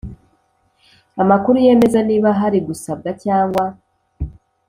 amakuru yemeza niba hari gusabwa cyangwa